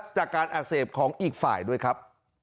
จากการอักเสบของอีกฝ่ายด้วยครับ